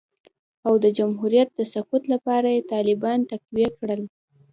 او د جمهوریت د سقوط لپاره یې طالبان تقویه کړل